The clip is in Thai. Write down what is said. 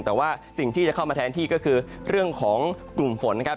แต่ว่าสิ่งที่จะเข้ามาแทนที่ก็คือเรื่องของกลุ่มฝนนะครับ